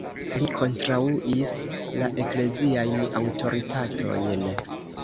Li kontraŭis la ekleziajn aŭtoritatojn.